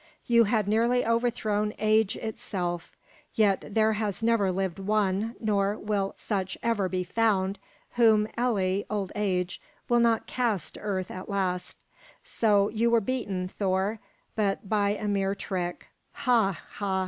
You had nearly overthrown Age itself; yet there has never lived one, nor will such ever be found, whom Elli, old age, will not cast to earth at last. So you were beaten, Thor, but by a mere trick. Ha, ha!